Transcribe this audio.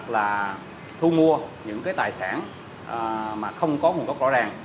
là thu mua những cái tài sản mà không có nguồn gốc rõ ràng